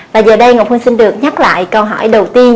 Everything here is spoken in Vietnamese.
và giờ đây ngọc huynh xin được nhắc lại câu hỏi đầu tiên